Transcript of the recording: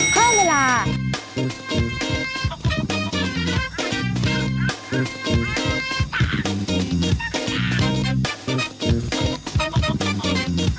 ข้าวใส่ไทยสดกว่าไทยใหม่กว่าเดิม